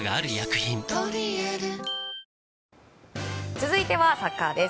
続いてはサッカーです。